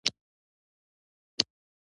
دوه کسیزه خونې وې.